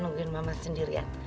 nungguin mama sendirian